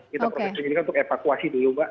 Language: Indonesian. kita proses penyelidikan untuk evakuasi dulu mbak